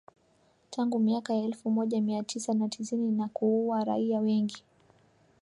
tangu miaka ya elfu moja mia tisa na tisini na kuua raia wengi